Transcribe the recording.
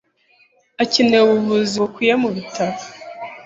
Akeneye ubuvuzi bukwiye mubitaro.